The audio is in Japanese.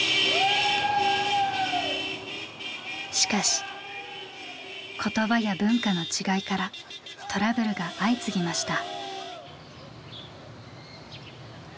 しかし言葉や文化の違いからトラブルが相次ぎました。